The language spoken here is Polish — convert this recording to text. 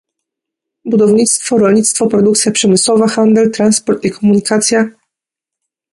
budownictwo, rolnictwo, produkcja przemysłowa, handel, transport i komunikacja